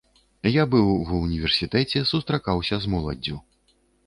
Я быў ва ўніверсітэце, сустракаўся з моладдзю.